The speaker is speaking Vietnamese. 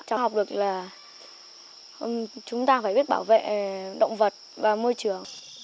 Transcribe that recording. cháu học được là chúng ta phải biết bảo vệ động vật và môi trường